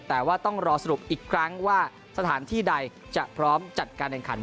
แต่ว่าต้องรอสรุปอีกครั้งว่าสถานที่ใดจะพร้อมจัดการแข่งขัน